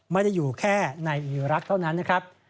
ไม่ได้อยู่แค่ในอีรักษ์เท่านั้นนะครับ